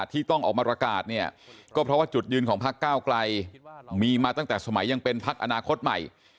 ที่ต้องออกมาระกาศก็เพราะว่าจุดยืนของภักดิ์ก้าวไกลคือการมีมาตั้งแต่สมัยยังเป็นภักดิ์อนาคตใหม่